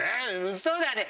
うそだね。